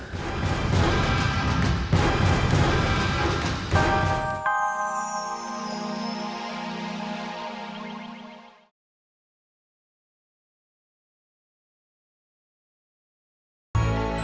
tak ada